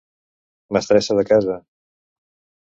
Mestressa de casa.